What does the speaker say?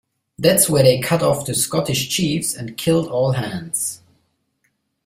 That's where they cut off the Scottish Chiefs and killed all hands.